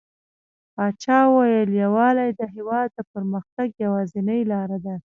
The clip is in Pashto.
پاچا وويل: يووالى د هيواد د پرمختګ يوازينۍ لاره ده .